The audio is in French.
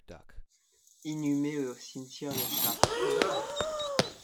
Inhumé au cimetière de Chartres.